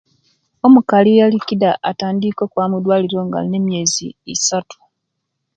Omukali ali ekida atandiika okwaaba omwidwaliro nga alina emyeezi isatu.